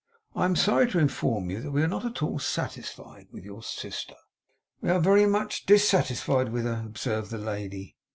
I am sorry to inform you that we are not at all satisfied with your sister.' 'We are very much DISsatisfied with her,' observed the lady.